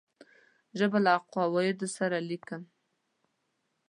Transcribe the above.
زه له قواعدو سره لیکم.